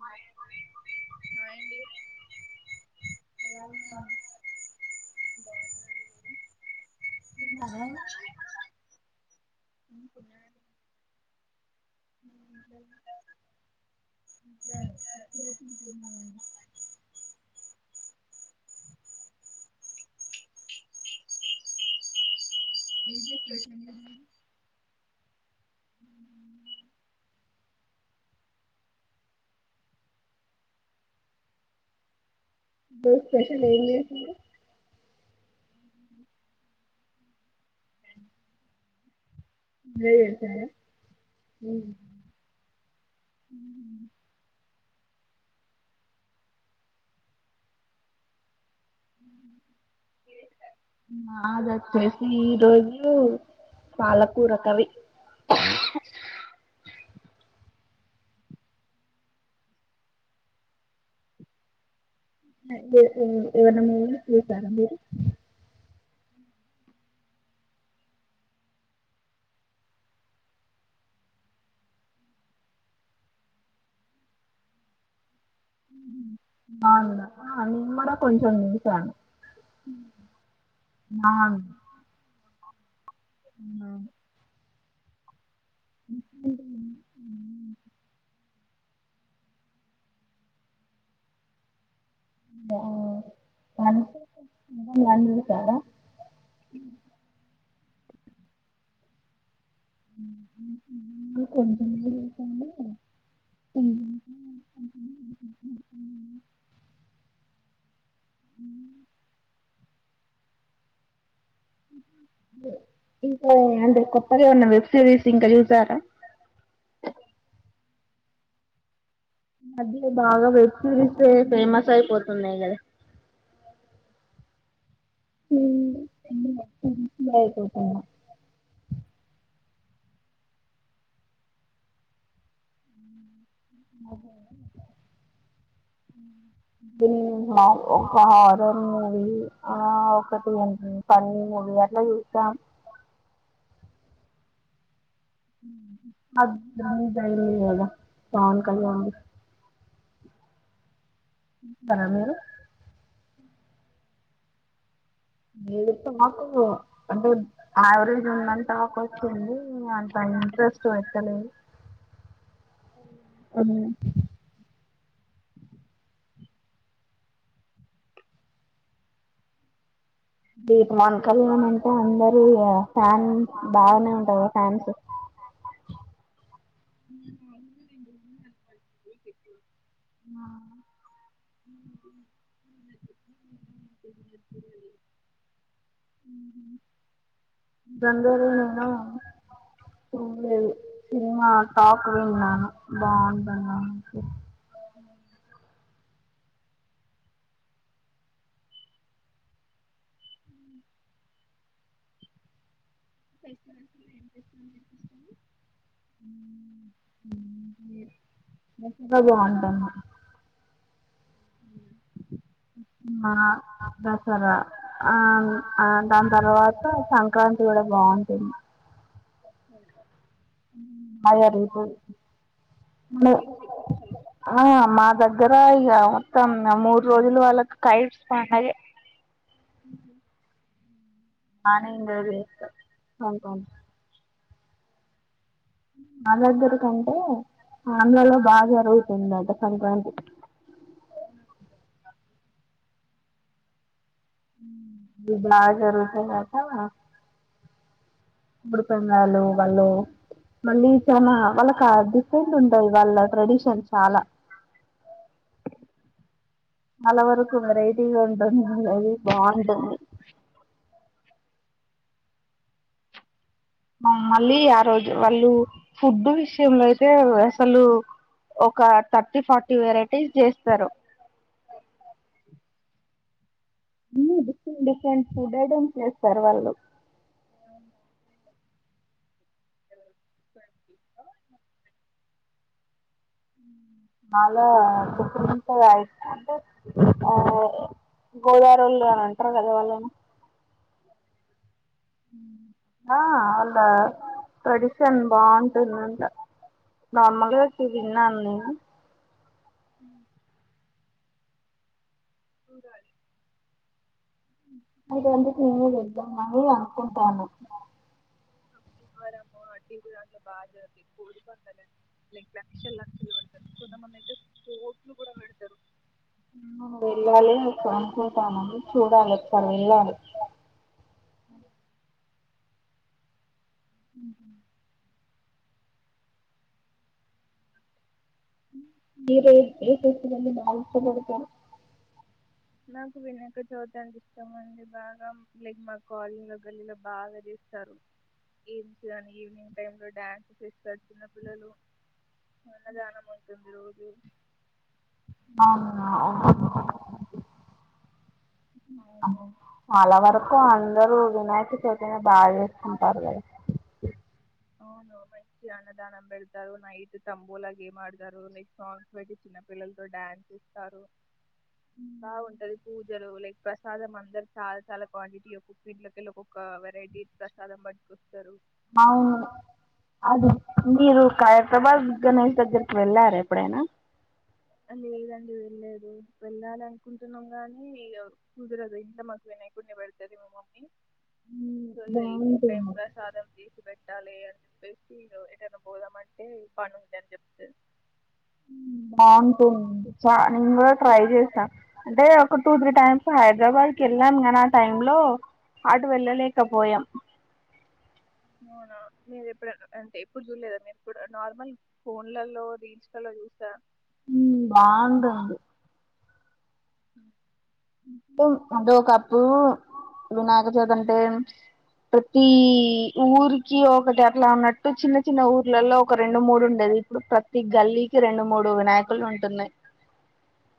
Hi అండి ఎలా ఉన్నారండ్ [unintelligible] ఇ [unintelligible] ఉ తిన్నారు ఉ ఉ తిన్నారు లో ఇప్పుడే తింటున్నామండి బు స్పషల్ ఏంచేసింరు ఇబుడే చేసారా లేదు ఇంకా లే [inaudible] స మాద్ ఒచ్చేసి ఈ రోజూ పాలకూరకర్రి [inaudible] ఏవైనా మూవీ చూసారా మీరు [inaudible] ఆ నిమ్మడ కొంచెం చుసాను ఆన్ [unintelligible] [inaudible] [inaudible] మ్ ఇంకా ఏంది కొత్తది ఏవన్న వెబ్సీరీస్ ఇంక చూశారా మధ్య బాగా వెబ్సిరిసె ఫేమస్ అయిపోతున్నాయ్ గదా [inaudible] ఒక హారర్ మూవీ ఆ ఒకటి ఫన్నీ మూవీ అట్లా చూసాం [unintelligible] పాన్ కల్ బరాబరు మీది టాకు అంటే యావరేజ్ ఉందని టాక్ వస్తుంది అంత ఇంట్రెస్ట్ వెట్టలేదు అవు బీత్ మాన్ కల్ అ అందరీ ఫ్యాన్ బాగనే ఉంటది గ ఫ్యాన్స్ అన్న ఆ ాల చులేదు సినిమా టాక్ లున్నా బాగుంద్ అ [inaudible] ఇంకా బాగుంటుంది అవునా ఆ దసరా ఆ ఆ దాని తర్వాత సంక్రాంతి కూడా బావుంటుంది అవును. [unintelligible] కేక్ తెప్పిస్తారా? ఆ మా దగ్గర ఇగ మూడు రోజులు వాళ్లకి కైట్స్ పండగే ఉమ్, [unintelligible] మా దగ్గర కంటే ఆంలలో బా జరుగుతుందట సంక్రాంతి ఇవి బాగా జరుగుతాయి కాక ఉడి పెంగాళ వాళ్ళు మళ్ళీ చాలా వాళ్ళకి డిఫరెంట్ ఉంటాయి వాళ్ళ ట్రెడిషన్ చాలా నెల వరకు వెరైటీగా ఉంటుంది అది బాగుంటుంది మళ్ళీ ఆ రోజు వాళ్ళు ఫుడ్ విషయంలో అయితే అసలు ఒక థర్టీ ఫార్టీ వెరైటీస్ చేస్తారు అన్నీ డిఫరెంట్ డిఫరెంట్ ఫుడ్ ఐటమ్స్ చేస్తారు వాళ్ళు అ చాలా చుంత అయి అంటే ఆ గోదారోళు అని అంటారు కదా వాళ్ళని ఆ వాళ్ళ ట్రెడిషన్ బావుంటుందంట మామూలుగా విన్నాను నేను చూడాలి అది నేను వద్దాం మ అనుకుంటావను అరమ అ బా కొడి పల అ లక్ష లక్షలు పెడతారు కొంతమందితే కోట్లు కూడా పెడతారు వెళ్ళాలి అ అనుకుంటానని చూడాలి ఒకసారి వెళ్ళాలి మ్ హు మీరే ఏ ఫెస్టివల్ ని బాగా ఇష్టపడతారు నాకు వినాయక చవితి అంటే ఇష్టం అండి బాగా, లైక్ మా కాలినిలో గల్లీలో బాగా చేస్తారు, గేమ్స్ కానీ ఈవినింగ్ టైమ్ లో డ్యాన్సెస్ ఇస్తారు చిన్నపిల్లలు అన్నదానం ఉంటుంది రోజు అవునా అవును అలవర అందరు వినాయక చవితనే బాగా చేసుకుంటారు కదా అవును మంచి అన్నదానం పెడతారు నైట్ తంబూలా గేమ్ ఆడతారు, నైక్ సాంగ్స్ పెట్టి చిన్నపిల్లలతో డాన్స్ చేస్తారు బాగుంటది పూజలు లైక్ ప్రసాదం అందరు చాలా చాలా క్వాంటిటీ ఒక్కొక్క ఇంట్లకెళి ఒక్కొక్క వెరైటీ ప్రసాదం పట్కొస్తారు అవును అది మీరు కైరాబాద్ గణేష్ దగ్గరికి వెళ్ళారు ఎప్పుడైనా లేదండి వెళ్ళలేదు వెళ్ళాలి అనుకుంటున్నాం గాని, కుదరదు ఇంత మాకు వినయకుణ్య పెడతుంది మా మమ్మీ వినింగ్ టై బాగుంటుంది సాధసి పెట్టాలి అని చెప్పేసి ఏదైనా పోదామంటే పనింది అని చెప్తే లాంగ్ టూర్ అ చ నేను కూడా ట్రై చేస్తా అంటే ఒక టూ త్రీ టైమ్స్ హైదరాబాద్కి వెళ్ళాం కానీ ఆ టై లో అటు వెళ్ళలేకపోయాం అవునా మీరు ఎప్పుడ అంటే ఎప్పుడు చూడలేదా మీరు ఇప్పుడు నార్మల్ ఫోన్లలో రీల్స్లలో చూసా ఉ బాగుంటుంది అంటే ఒకప్పుడు వినాయక చేతి అంటే ప్రతి ఊరికి ఒకటి అట్లా ఉన్నట్టు చిన్న చిన్న ఊర్లలో ఒక రెండు మూడు ఉండేది ఇప్పుడు ప్రతి గల్లీకి రెండు మూడు వినాయకులు ఉంటున్నాయి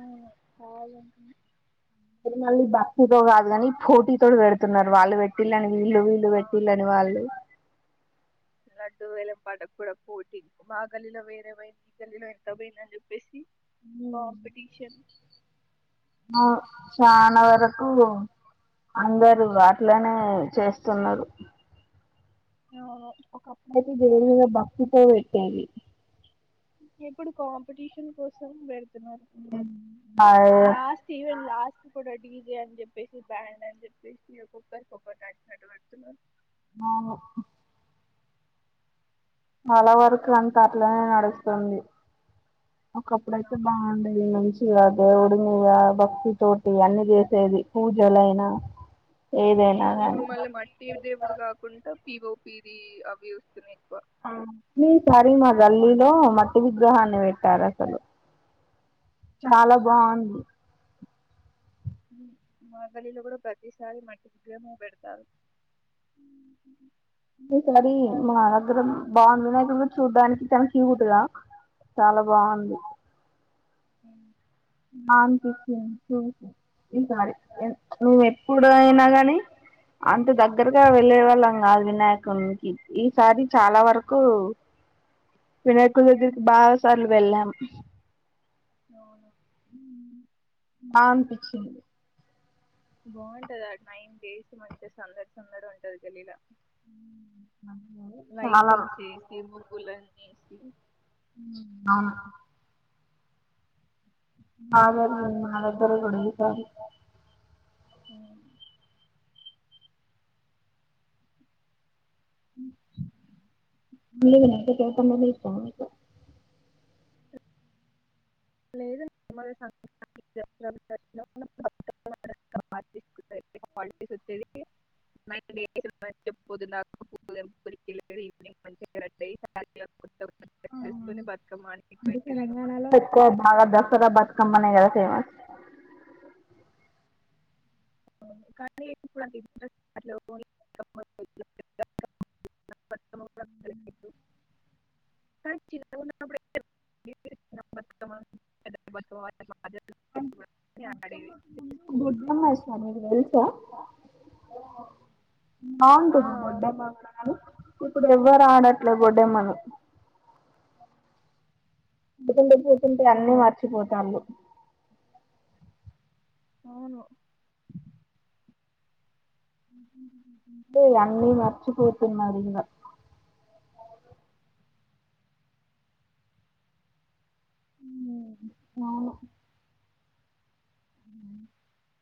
అవు అజంట మళ్ళీ బక్తితో కాదు కాని పోటీ తో పెడుతున్నారు వాళ్ళు పెట్టిళ్ళని వీళ్ళు వీళ్ళు పెట్టిళ్ళని వాళ్ళు రెండు వేలం పాటకు కూడా పోటీంది మా గల్లీలో వేరే పోయింది ఈ గల్లీలో ఎంత పోయింద అని చెప్పేసి కాంపిటీషన్ హమ్ చాాలా వరకు అందరుూ అట్లోనే చేస్తున్నారు అవును ఒకప్పుడు దేవి మీద భక్తి తో త ఇప్పుడు కాంపిటీషన్ కోసం పెడత లాస్ట్ ఈవెంట్ లాస్ట్ డీజే అని చెప్పేసి బ్యాండ్ అని చెప్పేసి ఒొక్కరి ఒక్కరుచినట్టు పెడుతున్నారూ ఆ చాలా వరకు అంతా అట్లనే నడుస్తుంది ఒకప్పుడు అయితే బాగుండేది మంచి దేవుడి మీద భక్తితోోటి అన్ని చేసేది పూజలయినా ఇప్పుడు మళ్ళీ మట్టి దేవుడు కాకుండా పి ఓపిది అవి వస్తున్నాయి ఎక్కువ ఈసారి మా గల్లీలో మట్టి విగ్రహాన్ని వెట్టారాసలు చాలా బాగుంది మా గలీలో కూడా ప్రతిసారి మట్టి విగ్రహం పెడతారు ఈసారి మా దగ్గర బాగుంది నాకు కూడా చూడ్డానికి చాలా క్యూట్గా చాలా బాగుంది అ అే ఈసారి నువ్వ ఎప్పుడ అయినా కాని అంత దగ్గరగా వెళ్ళే వాళ్ళం కాదు వినాయకుకి ఈసారి చాలా వరకు వినాయకుడి దగ్గరికి బాగా సార్లు వెళ్ళాము అవును ఆమ్ పిచ్చి బాగుంటది అ నైన్ డేస్ మంచి సందడి సందడి ఉంటది గల్లీలా చాలా వైద్యం చేే సి మపుూలన్ అవు మాద మాలద్దర గుడుగిత అ [inaudible] లేదడ ఈనింగ్ మంచిగా [unintelligible] స్తని బతుకమ్మని మాగా దసరా బతుకమ్మన్ వ ఫేమస్ కానీప్పు [inaudible] చి [inaudible] బధ మ సార్ [unintelligible] ప్ప ఆ బంటుతుంది దొడ్డమ్మ అవును మన ఇప్పుడు ఎవ్వరు ఆడట్లే బడ్డేమ్మను పడుకుంటే పోతుంటే అన్నిీ మర్చిపోతాళ్ళు అవును టు అన్నీ మరచిపోతున్నారు ఇంగ ఉ నాన్న ఉ